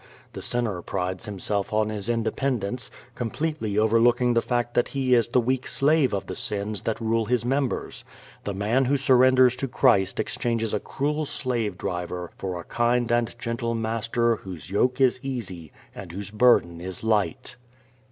The sinner prides himself on his independence, completely overlooking the fact that he is the weak slave of the sins that rule his members. The man who surrenders to Christ exchanges a cruel slave driver for a kind and gentle Master whose yoke is easy and whose burden is light.